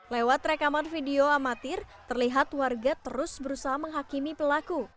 lewat rekaman video amatir terlihat warga terus berusaha menghakimi pelaku